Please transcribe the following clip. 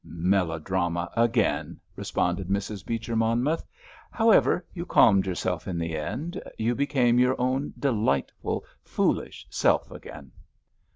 "Melodrama again," responded Mrs. Beecher Monmouth. "However, you calmed yourself in the end. You became your own delightful, foolish self again."